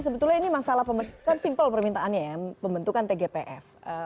sebetulnya ini masalah kan simpel permintaannya ya pembentukan tgpf